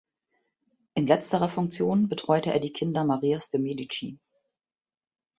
In letzterer Funktion betreute er die Kinder Marias de’ Medici.